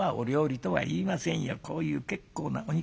こういう結構なお肉